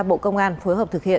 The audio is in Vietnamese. bộ công an phối hợp thực hiện